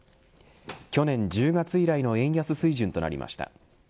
去年１０月以来の円安水準となりました。